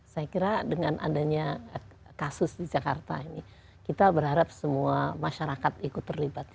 saya kira dengan adanya kasus di jakarta ini kita berharap semua masyarakat ikut terlibat